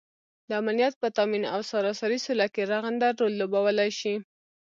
دامنیت په تآمین او سراسري سوله کې رغنده رول لوبوالی شي